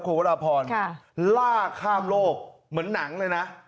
คุณวรพรล่าข้ามโลกเหมือนหนังเลยนะ